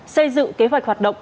xây dựng kế hoạch hoạt động